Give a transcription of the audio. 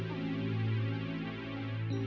oh itu orangnya